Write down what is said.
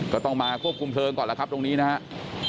ก็ต้องมาควบคุมเพลิงก่อนแล้วครับตรงนี้นะครับ